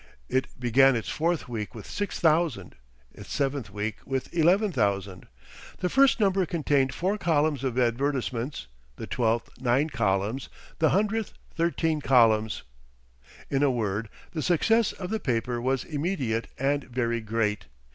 It began its fourth week with six thousand; its seventh week, with eleven thousand. The first number contained four columns of advertisements; the twelfth, nine columns; the hundredth, thirteen columns. In a word, the success of the paper was immediate and very great.